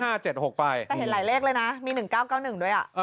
แต่เห็นหลายเลขเลยนะมี๑๙๙๑ด้วย